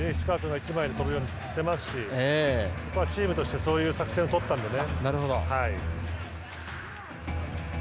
１枚で止めようとしてますしチームとしてそういう作戦をとったのでね。